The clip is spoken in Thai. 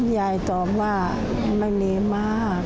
ยายตอบว่าไม่มีมาก